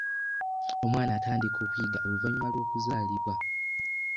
Omwana atandika okuyiga oluvannyuma lw'okuzaalibwa.